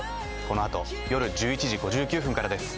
このあと夜１１時５９分からです。